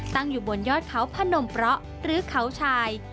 ตั้งอยู่บนยอดเขาพนมเพราะหรือเขาชาย